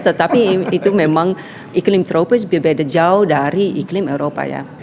tetapi itu memang iklim tropis berbeda jauh dari iklim eropa ya